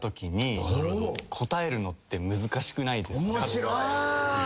面白い。